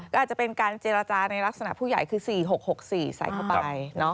ก็อาจจะเป็นการเจรจาในลักษณะผู้ใหญ่คือ๔๖๖๔ใส่เข้าไป